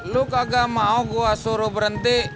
lu kagak mau gua suruh berhenti